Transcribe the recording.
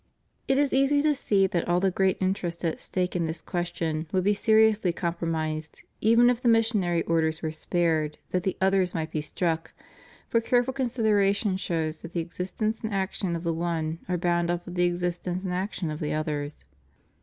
It is easy to see that all the great interests at stake in this question would be seriously compromised, even if the missionary orders were spared that the others might be struck, for careful consideration shows that the existence and action of the one are bound up with the existence and action of the others.